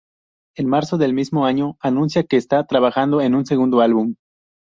En marzo del mismo año anuncia que está trabajando en un segundo álbum.